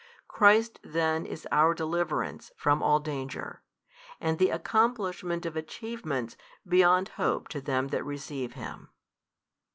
Christ then is our deliverance from all danger, and the accomplishment of achievements beyond hope to them that receive Him.